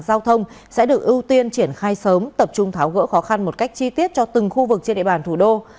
giao thông sẽ được ưu tiên triển khai sớm tập trung tháo gỡ khó khăn một cách chi tiết cho từng khu vực trên địa bàn thủ đô